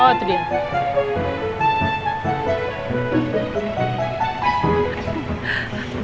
oh itu dia